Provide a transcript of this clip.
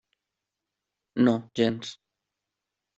No, gens.